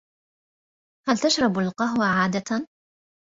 هل تشرب القهوة عادةً ؟